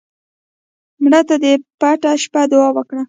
مړه ته د پټه شپه دعا وکړه